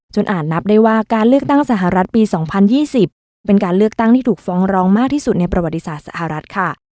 อาจนับได้ว่าการเลือกตั้งสหรัฐปี๒๐๒๐เป็นการเลือกตั้งที่ถูกฟ้องร้องมากที่สุดในประวัติศาสตร์สหรัฐค่ะ